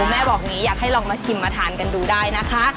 แม่บอกอย่างนี้อยากให้ลองมาชิมมาทานกันดูได้นะคะ